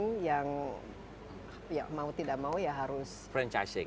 yang mau tidak mau ya harus franchising